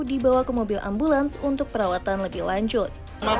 dibawa ke mobil ambulans untuk perawatan lebih lanjut